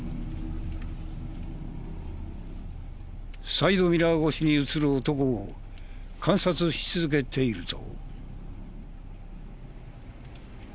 サイドミラー越しに映る男を観察し続けていると。